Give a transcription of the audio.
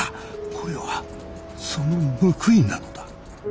これはその報いなのだ。